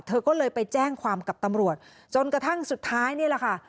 เธอก็เลยไปแจ้งความกับตำรวจจนกระทั่งสุดท้ายนี่แหละค่ะ